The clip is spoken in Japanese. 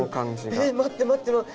えっ待って待って待って。